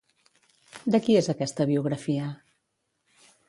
De qui és aquesta biografia?